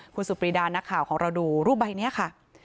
คุณสุปรีดานักข่าวของเราดูรูปใบนี้ค่ะ